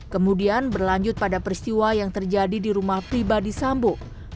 kemudian berlanjut pada peristiwa yang terjadi di rumah pribadi sambo